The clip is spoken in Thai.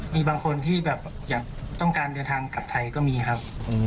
มีบางคนที่แบบอยากต้องการเดินทางกลับไทยก็มีครับ